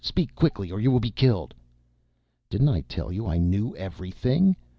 Speak quickly or you will be killed." "Didn't I tell you I knew everything?